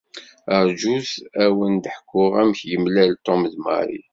Rjut ad wen-d-ḥkuɣ amek yemlal Tom d Mary.